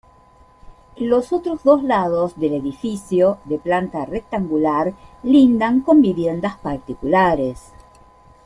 Los otros dos lados del edificio, de planta rectangular, lindan con viviendas particulares.